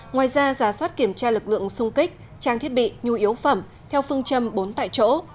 ngoài ra giả soát kiểm tra lực lượng sung kích trang thiết bị nhu yếu phẩm theo phương châm bốn tại chỗ